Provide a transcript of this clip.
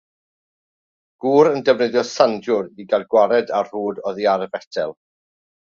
Gŵr yn defnyddio sandiwr i gael gwared ar rwd oddi ar fetel.